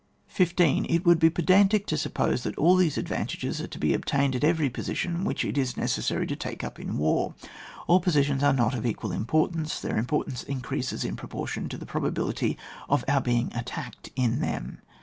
1 5. It would be pedantic to suppose that all these advantages are to be obtained at every position which it is necessary to take up in war. All positions are not of equal importance; their importance increases in proportion to the probability of our being attacked in them.